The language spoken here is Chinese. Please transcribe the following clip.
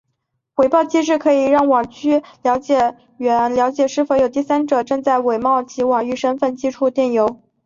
回报机制可以让网域管理员了解是否有第三者正在伪冒其网域身份寄出电邮。